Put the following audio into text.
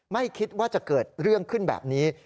ไม่คิดว่าจะเกิดเรื่องขึ้นแบบนี้